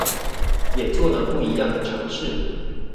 也做了不一樣的嘗試